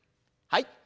はい。